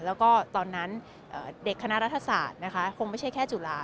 แล้วก็ตอนนั้นเด็กคณะรัฐศาสตร์นะคะคงไม่ใช่แค่จุฬา